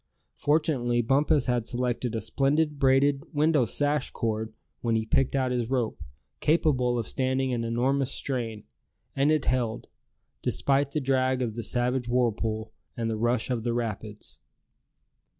Fortunately Bumpus had selected a splendid braided window sash cord when he picked out his rope, capable of standing an enormous strain; and it held, despite the drag of the savage whirlpool, and the rush of the rapids.